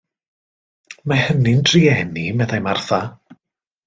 Mae hynny'n drueni, meddai Martha.